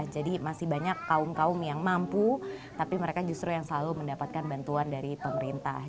jadi masih banyak kaum kaum yang mampu tapi mereka justru yang selalu mendapatkan bantuan dari pemerintah